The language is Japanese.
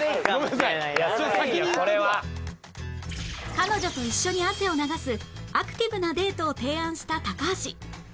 彼女と一緒に汗を流すアクティブなデートを提案した高橋